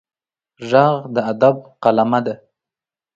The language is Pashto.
غږ د ادب قلمه ده